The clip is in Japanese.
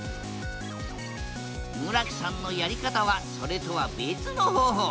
村木さんのやり方はそれとは別の方法。